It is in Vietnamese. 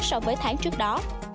so với tháng trước đó